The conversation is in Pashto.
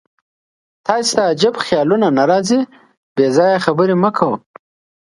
تاسې ته عجیب خیالونه نه راځي؟ بېځایه خبرې مه کوه.